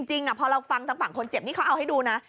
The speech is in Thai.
จริงพอเราฟังทางฝั่งคนเจ็บนี่เขาเอาให้ดูนะ